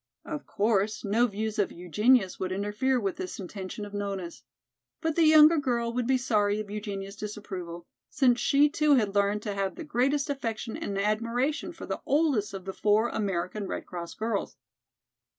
Of course, no views of Eugenia's would interfere with this intention of Nona's. But the younger girl would be sorry of Eugenia's disapproval, since she too had learned to have the greatest affection and admiration for the oldest of the four American Red Cross girls.